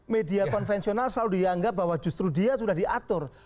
media konvensional selalu dianggap bahwa justru dia sudah diatur